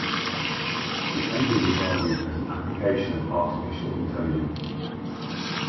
It may be regarded as an application of artificial intelligence.